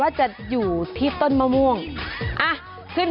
อ่ะหลบลุง